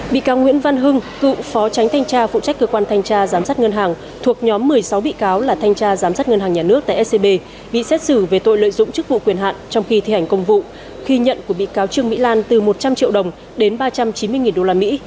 bị cáo nguyễn văn hưng cựu phó tránh thanh tra phụ trách cơ quan thanh tra giám sát ngân hàng thuộc nhóm một mươi sáu bị cáo là thanh tra giám sát ngân hàng nhà nước tại scb bị xét xử về tội lợi dụng chức vụ quyền hạn trong khi thi hành công vụ khi nhận của bị cáo trương mỹ lan từ một trăm linh triệu đồng đến ba trăm chín mươi đô la mỹ